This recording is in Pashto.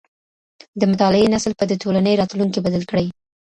د مطالعې نسل به د ټولني راتلونکی بدل کړي.